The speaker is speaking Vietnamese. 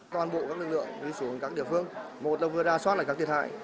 toàn bộ các lực lượng đi xuống các địa phương một là vừa ra soát lại các thiệt hại